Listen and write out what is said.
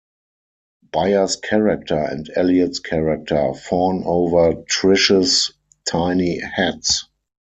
Bayer's character and Elliott's character fawn over Trish's tiny hats.